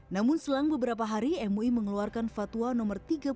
namun selang beberapa hari mui mengeluarkan fatwa nomor tiga puluh satu